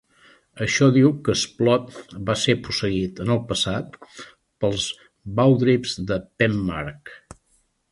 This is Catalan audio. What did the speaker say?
Això diu que Splott va ser posseït en el passat pels Bawdrips de Penmark.